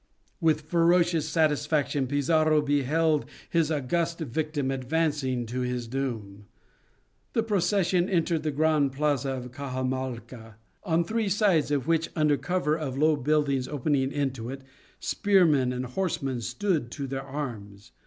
With ferocious satisfaction Pizarro beheld his august victim advancing to his doom. The procession entered the grand plaza of Caxamalca, on three sides of which, under cover of low buildings opening into it, spearmen and horsemen stood to their arms.